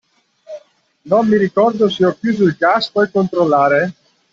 Non mi ricordo se ho chiuso il gas, puoi controllare?